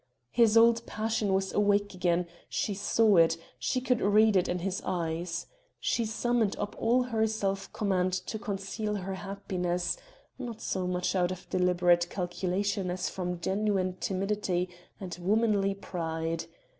His old passion was awake again; she saw it she could read it in his eyes. She summoned up all her self command to conceal her happiness not so much out of deliberate calculation as from genuine timidity and womanly pride.